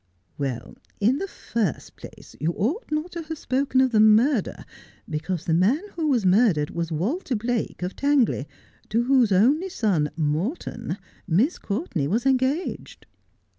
' Well, in the first place you ought not to have spoken of the murder, because the man who was murdered was Walter Blake, of Tangley, to whose only son, Morton, Miss Courtenay was engaged.'